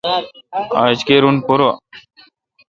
آج کیر اؙن پورہ۔